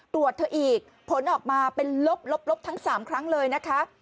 ตรวจเธออีกผลออกมาเป็นลบทั้ง๓ครั้งเลยนะคะ